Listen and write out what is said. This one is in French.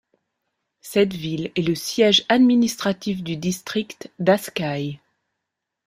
Cette ville est le siège administratif du district d'Asky.